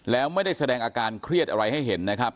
แล้วไม่ได้แสดงอาการเครียดอะไรให้เห็นนะครับ